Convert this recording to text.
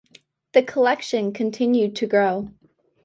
The collection continued to grow.